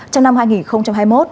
trong năm hai nghìn hai mươi một